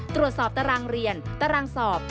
ตรารางเรียนตารางสอบ